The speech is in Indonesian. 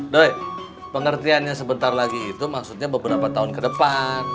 dok pengertiannya sebentar lagi itu maksudnya beberapa tahun ke depan